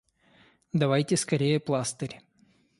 Давайте скорее пластырь!